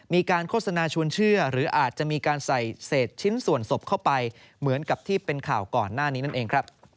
โฆษณาชวนเชื่อหรืออาจจะมีการใส่เศษชิ้นส่วนศพเข้าไปเหมือนกับที่เป็นข่าวก่อนหน้านี้นั่นเองครับ